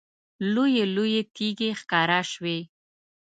لویې لویې تیږې ښکاره شوې.